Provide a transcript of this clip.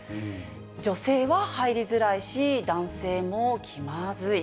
女性は入りづらいし、男性も気まずい。